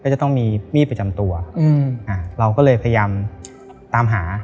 จะต้องมีมีดประจำตัวเราก็เลยพยายามตามหา